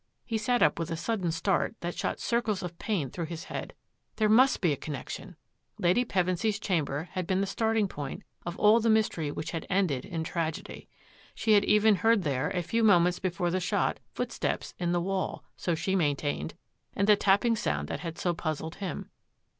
He sat up with a sudden start that shot circles of pain through his head. There must be con nection! Lady Pevensy's chamber had been the starting point of all the mystery which had ended in tragedy. She had even heard there, a few moments before the shot, footsteps — in the wall, so she maintained — ^and the tapping sound that had so puzzled him.